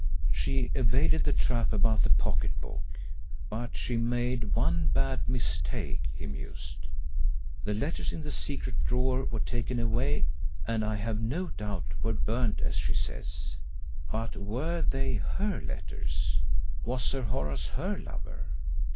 "She evaded the trap about the pocket book, but she made one bad mistake," he mused. "The letters in the secret drawer were taken away, and I have no doubt were burnt as she says. But were they her letters? Was Sir Horace her lover?